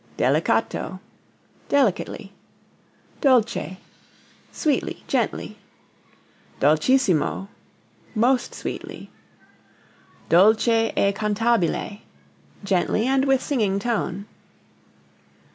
Delicato delicately. Dolce sweetly, gently. Dolcissimo most sweetly. Dolce e cantabile gently and with singing tone.